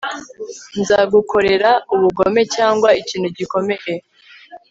nzagukorera ubugome cyangwa ikintu gikomeye